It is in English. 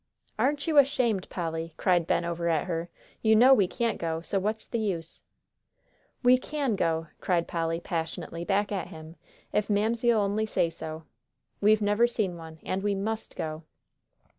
"Aren't you ashamed, Polly!" cried Ben over at her. "You know we can't go, so what's the use?" "We can go," cried Polly, passionately, back at him, "if Mamsie'll only say so. We've never seen one, and we must go."